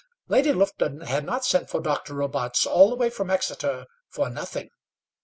Lady Lufton had not sent for Dr. Robarts all the way from Exeter for nothing.